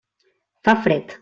Fa fred.